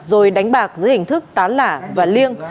rồi đánh bạc dưới hình thức tán lả và liêng